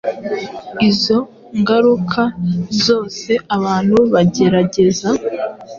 Izo ngaruka soze abantu bagerageza